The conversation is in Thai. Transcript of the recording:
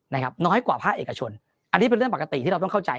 น้อยกว่าภาคเอกชนอันนี้เป็นเรื่องปกติที่เราต้องเข้าใจ